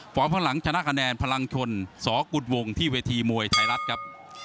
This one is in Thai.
ข้างหลังชนะคะแนนพลังชนสกุฎวงที่เวทีมวยไทยรัฐครับ